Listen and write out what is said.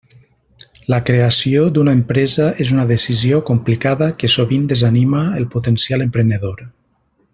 La creació d'una empresa és una decisió complicada que sovint desanima al potencial emprenedor.